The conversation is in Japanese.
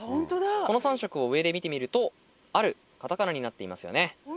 この３色を上で見てみるとあるカタカナになっていますよね。